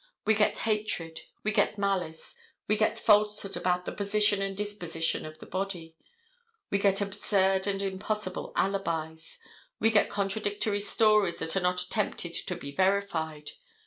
We get hatred, we get malice, we get falsehood about the position and disposition of the body. We get absurd and impossible alibis. We get contradictory stories that are not attempted to be verified.